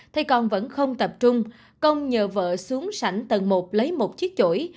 thay con vẫn không tập trung công nhờ vợ xuống sảnh tầng một lấy một chiếc chổi